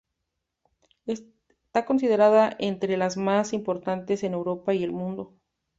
Esta considerada entre las más importantes en Europa y el mundo.